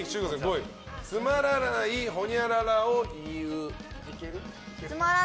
つまらないほにゃららを言う。